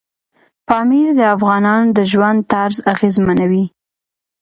پامیر د افغانانو د ژوند طرز اغېزمنوي.